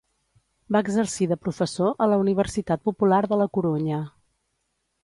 Va exercir de professor a la Universitat Popular de La Corunya.